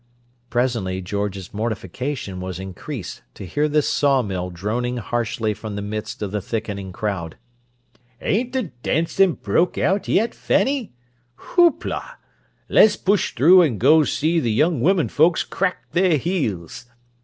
Presently George's mortification was increased to hear this sawmill droning harshly from the midst of the thickening crowd: "Ain't the dancin' broke out yet, Fanny? Hoopla! Le's push through and go see the young women folks crack their heels!